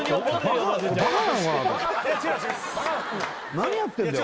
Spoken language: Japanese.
何やってんだよ